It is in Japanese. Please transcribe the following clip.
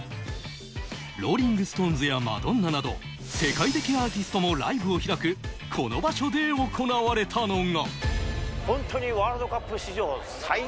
ローリング・ストーンズやマドンナなど、世界的アーティストのライブを開く、この場所で行われたのが。